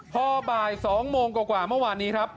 พอบ่าย๒โมงกว่าเมื่อวานนี้ครับ